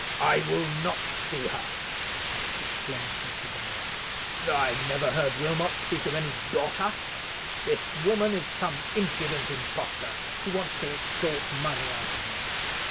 "I will not see her," exclaimed Mr. Dunbar; "I never heard Wilmot speak of any daughter. This woman is some impudent impostor, who wants to extort money out of me.